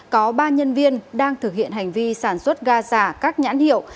có ba nhân viên đang thực hiện hành vi sản xuất ga giả các nhãn hiệu